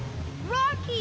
ロッキー